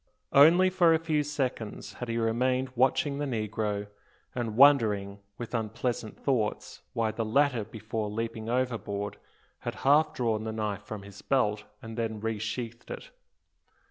Only for a few seconds had he remained watching the negro, and wondering, with unpleasant thoughts, why the latter before leaping overboard had half drawn the knife from his belt and then resheathed it.